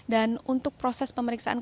dan untuk proses pemeriksaan